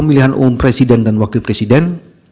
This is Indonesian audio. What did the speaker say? pemilihan umum presiden dan wakil presiden